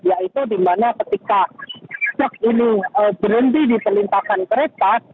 yaitu di mana ketika truk ini berhenti di pelintasan kereta